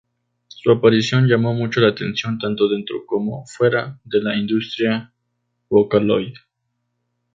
Su aparición llamo mucho la atención tanto dentro como fuera de la industria Vocaloid.